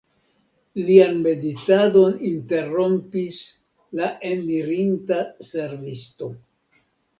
Lian meditadon interrompis la enirinta servisto.